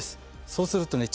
そうするとね